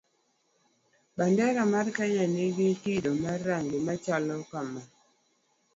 Bandera mar kenya nigi kido mar rangi machalo kamaa: